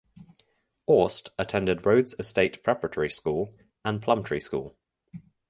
Aust attended Rhodes Estate Preparatory School and Plumtree School.